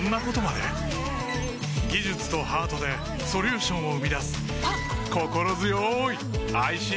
技術とハートでソリューションを生み出すあっ！